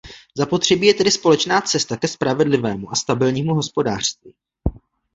Zapotřebí je tedy společná cesta ke spravedlivému a stabilnímu hospodářství.